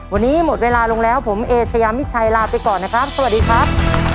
วันนี้หมดเวลาลงแล้วผมเอเชยามิชัยลาไปก่อนนะครับสวัสดีครับ